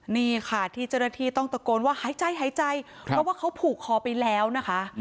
นี่ค่ะที่จริงต้องตะกนว่าหายใจเพราะว่าเขาผูกคอไปแล้วนะคะ